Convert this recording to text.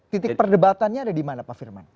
titik perdebatannya ada di mana pak firman